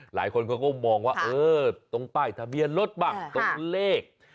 หลายคนเขาก็มองว่าเออตรงป้ายทะเบียนรถบ้างตรงเลข